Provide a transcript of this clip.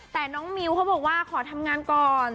แต่น้องมิวเขาบอกว่าขอทำงานก่อน